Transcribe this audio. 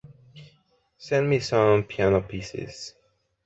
Send me some piano pieces.